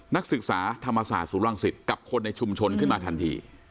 นักศึกษาธรรมศาสตร์ศูนย์รังสิตกับคนในชุมชนขึ้นมาทันที